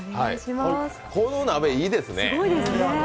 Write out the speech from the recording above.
この鍋いいですね。